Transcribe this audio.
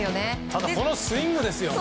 ただ、このスイングですよ。